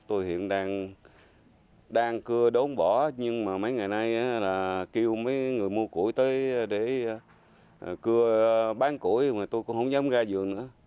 tôi hiện đang cưa đốn bỏ nhưng mà mấy ngày nay là kêu mấy người mua củi tới để cưa bán củi mà tôi cũng không dám ra dường nữa